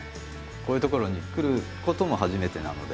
こういう所に来ることも初めてなので。